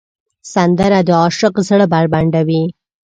سندره د عاشق زړه بربنډوي